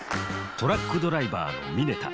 トラックドライバーの峯田。